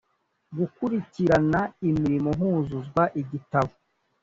gukurikirana imirimo huzuzwa igitabo